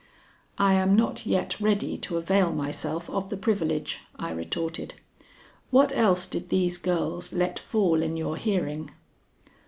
"I am not yet ready to avail myself of the privilege," I retorted. "What else did these girls let fall in your hearing?"